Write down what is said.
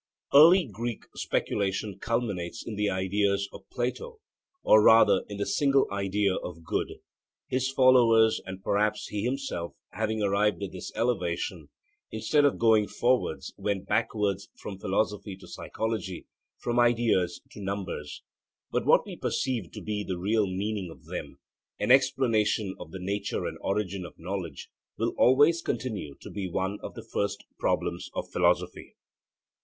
Early Greek speculation culminates in the ideas of Plato, or rather in the single idea of good. His followers, and perhaps he himself, having arrived at this elevation, instead of going forwards went backwards from philosophy to psychology, from ideas to numbers. But what we perceive to be the real meaning of them, an explanation of the nature and origin of knowledge, will always continue to be one of the first problems of philosophy.